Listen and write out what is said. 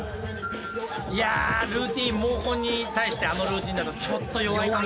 いやルーティーンモーコンに対してあのルーティーンだとちょっと弱いかも。